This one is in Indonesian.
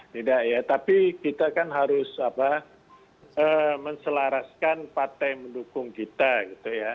tidak ya tapi kita kan harus menselaraskan partai mendukung kita gitu ya